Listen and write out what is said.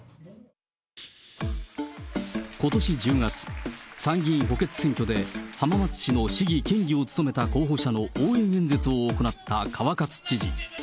ことし１０月、参議院補欠選挙で浜松市の市議、県議を務めた候補者の応援演説を行った川勝知事。